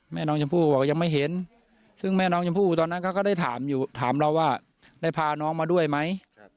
แม่น้องชมพู่บอกยังไม่เห็นซึ่งแม่น้องชมพู่ตอนนั้นเขาก็ได้ถามอยู่ถามเราว่าได้พาน้องมาด้วยไหม